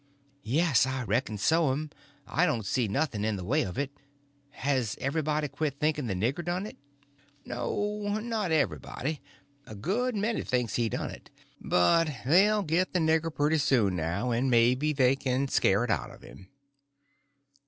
"Yes, I reckon so, 'm. I don't see nothing in the way of it. Has everybody quit thinking the nigger done it?" "Oh, no, not everybody. A good many thinks he done it. But they'll get the nigger pretty soon now, and maybe they can scare it out of him."